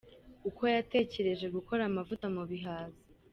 Uko yatekereje gukora amavuta mu bihaza .